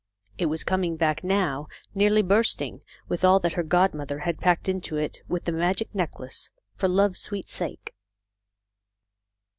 It was coming back now, nearly bursting with all that her godmother had packed into it with the magic necklace, "for love's sweet sake."